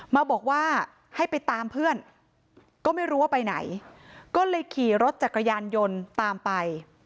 มาบอกว่าให้ไปตามเพื่อนก็ไม่รู้ว่าไปไหนก็เลยขี่รถจักรยานยนต์ตามไป